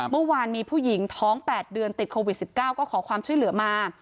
เมื่อวานมีผู้หญิงท้อง๘เดือนติดโควิด๑๙ก็ขอความช่วยเหลือมา